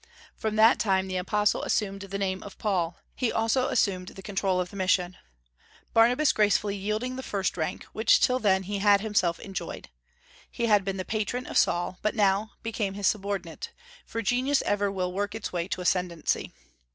From that time the apostle assumed the name of Paul; and he also assumed the control of the mission, Barnabas gracefully yielding the first rank, which till then he had himself enjoyed. He had been the patron of Saul, but now became his subordinate; for genius ever will work its way to ascendency.